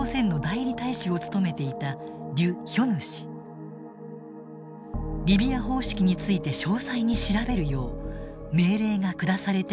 リビア方式について詳細に調べるよう命令が下されていたと明かした。